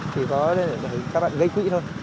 chỉ có để các bạn gây quỹ thôi